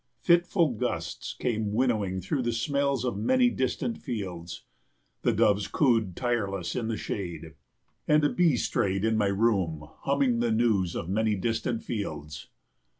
Fitful gusts came winnowing through the smells of many distant fields. The doves cooed tireless in the shade, and a bee strayed in my room humming the news of many distant fields.